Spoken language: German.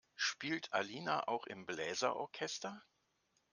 Spielt Alina auch im Bläser-Orchester?